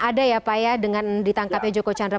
ada ya pak ya dengan ditangkapnya joko chandra